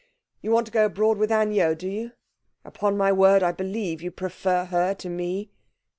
You want to go abroad with Anne Yeo, do you? Upon my word, I believe you prefer her to me!'